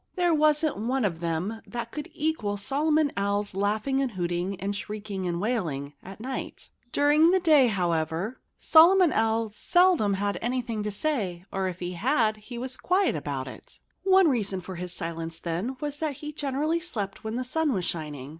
There wasn't one of them that could equal Solomon Owl's laughing and hooting and shrieking and wailing—at night. During the day, however, Solomon Owl he was quiet about it. One reason for his silence then was that he generally slept when the sun was shining.